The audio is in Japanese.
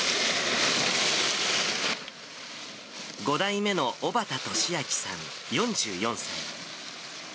５代目の小幡知明さん４４歳。